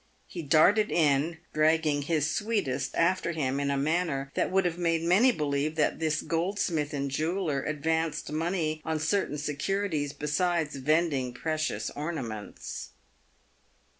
He darted in, dragging " his sweetest" after him in a manner that would have made many believe that this goldsmith and jew r eller advanced money on certain securities besides vending precious ornaments.